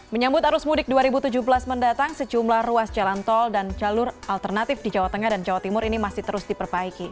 menyambut arus mudik dua ribu tujuh belas mendatang sejumlah ruas jalan tol dan jalur alternatif di jawa tengah dan jawa timur ini masih terus diperbaiki